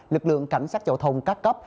lực lượng cảnh sát giao thông các cấp